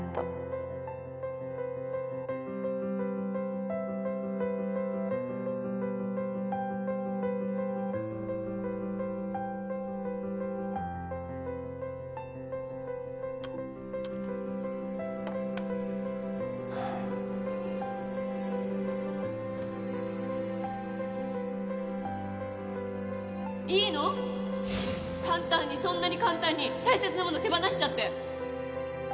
簡単にそんなに簡単に大切なもの手放しちゃって。